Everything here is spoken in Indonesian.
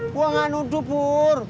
gue gak nuduh pur